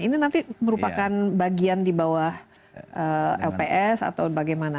ini nanti merupakan bagian di bawah lps atau bagaimana